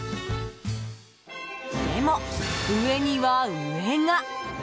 でも、上には上が。